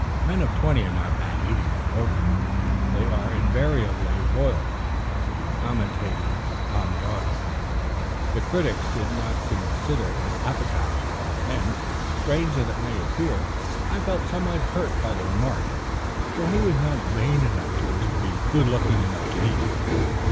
Men of twenty are not bad eating. When older, they are invariably boiled. Commenting upon the audience, the critics did not consider it appetizing; and, strange as it may appear, I felt somewhat hurt by the remark, for who is not vain enough to wish to look good enough to eat?